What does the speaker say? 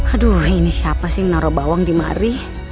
aduh ini siapa sih naro bawang di mari